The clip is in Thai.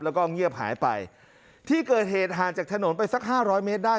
แล้วก็เงียบหายไปที่เกิดเหตุห่างจากถนนไปสักห้าร้อยเมตรได้